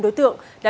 đã bị cơ quan kẻ sát